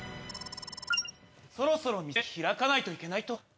そろそろ店開かないといけないと。